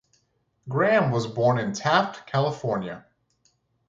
Graham was born in Taft, California.